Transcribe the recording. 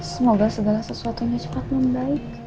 semoga segala sesuatunya cepat membaik